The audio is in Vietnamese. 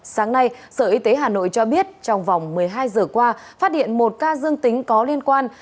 sáng nay sở y tế hà nội cho biết trong vòng một mươi hai giờ qua phát hiện một ca dương tính có liên quan